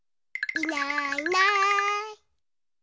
いないいない。